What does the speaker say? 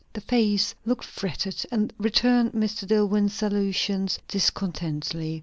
The face looked fretted, and returned Mr. Dillwyn's salutation discontentedly.